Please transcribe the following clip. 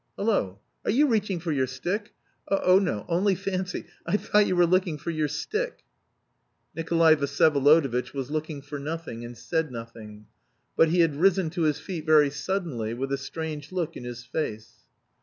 Hullo! are you reaching for your stick. Oh no... only fancy... I thought you were looking for your stick." Nikolay Vsyevolodovitch was looking for nothing and said nothing. But he had risen to his feet very suddenly with a strange look in his face.